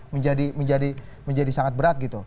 menjadi sangat berat gitu